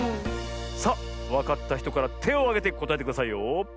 さあわかったひとからてをあげてこたえてくださいよ。